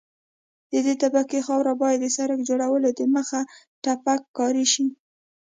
د دې طبقې خاوره باید د سرک جوړولو دمخه تپک کاري شي